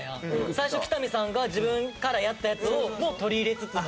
最初北見さんが自分からやったやつも取り入れつつの。